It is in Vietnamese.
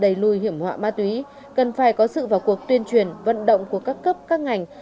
đầy lùi hiểm họa ma túy cần phải có sự vào cuộc tuyên truyền vận động của các cấp các ngành